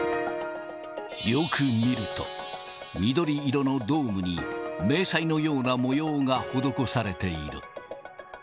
よく見ると、緑色のドームに、迷彩のような模様が施されている。